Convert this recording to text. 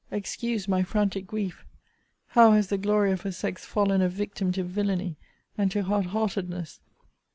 Excuse my frantic grief. How has the glory of her sex fallen a victim to villany and to hard heartedness!